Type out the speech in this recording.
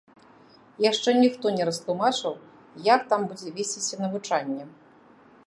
Яшчэ ніхто не растлумачыў, як там будзе весціся навучанне.